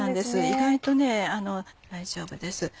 意外と大丈夫です。